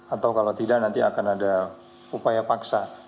atau kalau tidak nanti akan ada upaya paksa